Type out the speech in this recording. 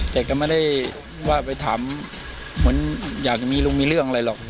แต่ก็ไม่ได้ว่าไปถามเหมือนอยากจะมีลุงมีเรื่องอะไรหรอก